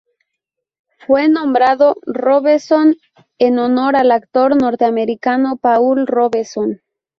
Fue nombrado Robeson en honor al actor norteamericano Paul Robeson.